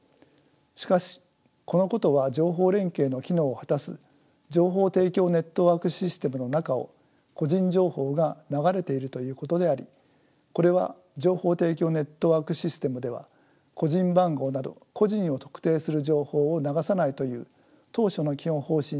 しかしこのことは情報連携の機能を果たす情報提供ネットワークシステムの中を個人情報が流れているということでありこれは情報提供ネットワークシステムでは個人番号など個人を特定する情報を流さないという当初の基本方針に反しています。